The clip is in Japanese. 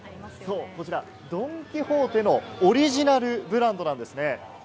こちらドン・キホーテのオリジナルブランドなんです。